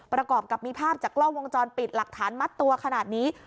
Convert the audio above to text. ประกอบกับมีภาพจากกล้องวงจรปิดหลักฐานมัดตัวขนาดนี้